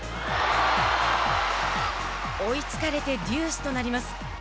追いつかれてデュースとなります。